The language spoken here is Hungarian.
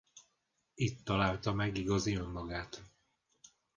Itt találta meg igazi önmagát.